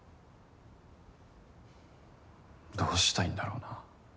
どうしたいんだろうな。